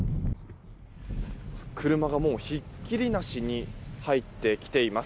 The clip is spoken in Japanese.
車がひっきりなしに入ってきています。